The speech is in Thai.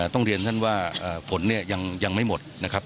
ต้องเรียนท่านว่าฝนเนี่ยยังไม่หมดนะครับ